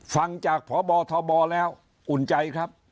ฟังจากพบทบแล้วอุ่นใจครับ